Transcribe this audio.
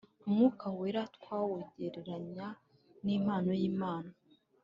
Umwuka wera twawugereranya n impano y imana